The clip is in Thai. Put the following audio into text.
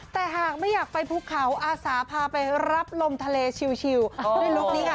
แต่หากไม่อยากไปภูเขาอาสาพาไปรับลมทะเลชิวในลุคนี้ค่ะ